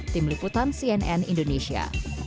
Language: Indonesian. tim liputan cnn indonesia